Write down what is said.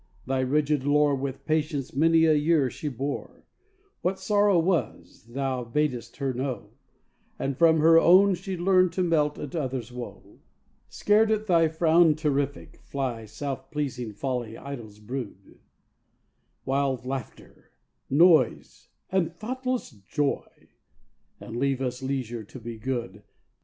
thy rigid lore With patience many a year she bore: What sorrow was, thou bad'st her know, And from her own she learn'd to melt at others' woe. Scared at thy frown terrific, fly Self pleasing Folly's idle brood, Wild Laughter, Noise, and thoughtless Joy, And leave us leisure to be good.